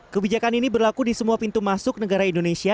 kebijakan ini berlaku di semua pintu masuk negara indonesia